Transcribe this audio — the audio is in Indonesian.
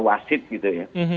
wasit gitu ya